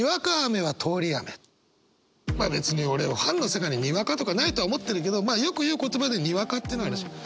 まあ別に俺はファンの世界ににわかとかないとは思ってるけどまあよく言う言葉でにわかっていうのあるじゃん。